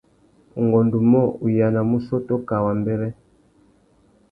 Ungôndômô, u yānamú ussôtô kā wambêrê.